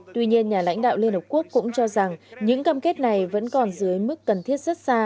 tuy nhiên nhà lãnh đạo liên hợp quốc cũng cho rằng những cam kết này vẫn còn dưới mức cần thiết rất xa